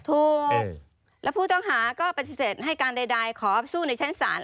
ถูกแล้วผู้ต้องหาก็ปฏิเสธให้การใดขอสู้ในชั้นศาล